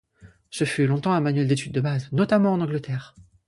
Ce fut longtemps un manuel d'étude de base, notamment en Angleterre.